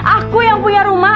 aku yang punya rumah